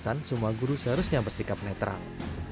alasan semua guru seharusnya bersikap netral